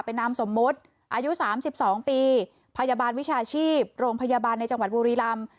เป็นนามสมมติอายุสามสิบสองปีพยาบาลวิชาชีพโรงพยาบาลในจังหวัดบุรีรัมป์